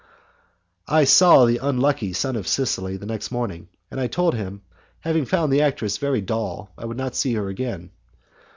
I saw the unlucky son of Sicily the next morning, and I told him that, having found the actress very dull, I would not see her again.